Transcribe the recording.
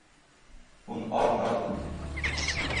Hûn av nadin.